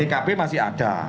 tkp masih ada